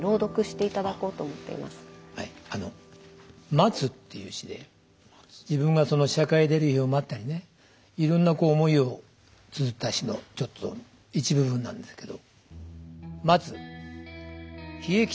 「待つ」っていう詩で自分が社会出る日を待ったりねいろんな思いをつづった詩のちょっと一部分なんですけど。